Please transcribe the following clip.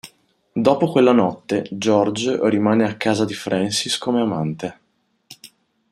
Dopo quella notte, George rimane a casa di Francis come amante.